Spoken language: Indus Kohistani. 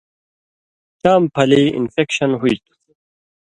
چام پھلی انفیکشن ہُوئ تُھو